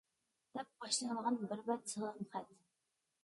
دەپ باشلانغان بىر بەت سالام خەت؟ !